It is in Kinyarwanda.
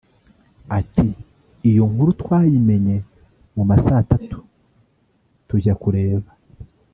Ati “ Iyo nkuru twayimenye mu ma saa tatu tujya kureba